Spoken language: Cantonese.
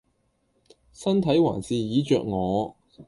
身體還是椅著我